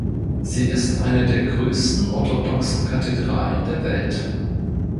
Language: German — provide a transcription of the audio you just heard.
Sie ist eine der größten orthodoxen Kathedralen der Welt.